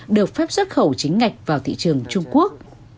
được phép xuất khẩu chính ngạch vào thị trường trung quốc